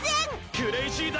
クレイジー・Ｄ！！